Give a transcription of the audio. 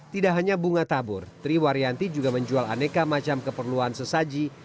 tidak hanya bunga tabur triwaryanti juga menjual aneka macam keperluan sesaji